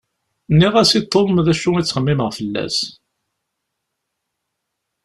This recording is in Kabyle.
Nniɣ-as i Tom d acu i ttxemmimeɣ fell-as.